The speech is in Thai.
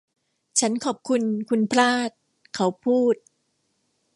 ฉันขอบคุณคุณพลาด เขาพูด